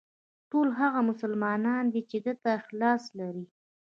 ټول هغه مسلمانان چې ده ته اخلاص لري.